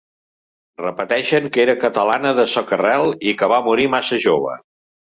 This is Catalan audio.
Repeteixen que era catalana de soca-rel i que va morir massa jove.